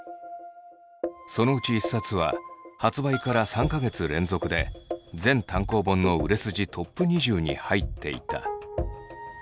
そのうち１冊は発売から３か月連続で全単行本の売れ筋トップ２０に入っていた。